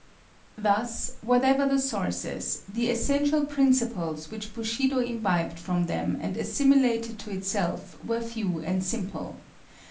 ] Thus, whatever the sources, the essential principles which Bushido imbibed from them and assimilated to itself, were few and simple.